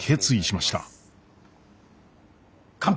乾杯！